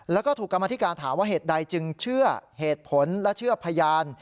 แล้วก็ถูกกรรมธิการถามว่าเหตุใดจึงเชื่อเหตุผลและเชื่อพยาน